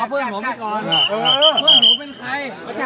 พ่อหนูเป็นใคร